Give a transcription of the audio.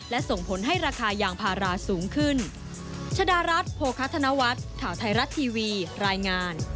และส่งผลให้ราคายางพาราสูงขึ้น